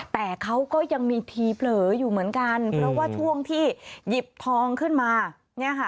แต่เขาก็ยังมีทีเผลออยู่เหมือนกันเพราะว่าช่วงที่หยิบทองขึ้นมาเนี่ยค่ะ